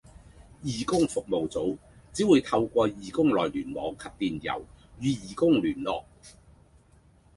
義工服務組只會透過義工內聯網及電郵與義工聯絡